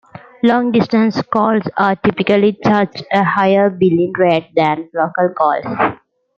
Long-distance calls are typically charged a higher billing rate than local calls.